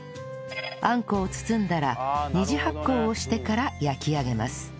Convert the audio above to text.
あんこを包んだら２次発酵をしてから焼き上げます